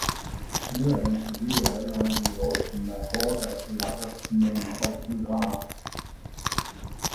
Nederlandske byer er allerede blevet oversvømmet af horder af polakker, rumænere og bulgarer.